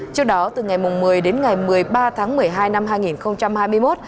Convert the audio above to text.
trước đó từ ngày một mươi đến ngày một mươi ba tháng một mươi hai năm hai nghìn hai mươi một